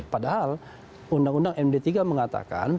padahal undang undang md tiga mengatakan